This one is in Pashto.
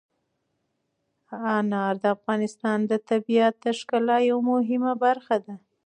انار د افغانستان د طبیعت د ښکلا یوه مهمه برخه ده.